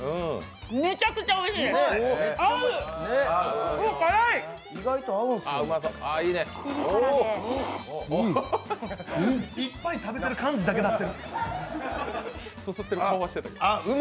めちゃくちゃおいしい、合う！